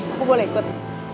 aku boleh ikut